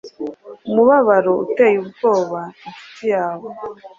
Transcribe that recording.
umubabaro uteye ubwoba inshuti yawe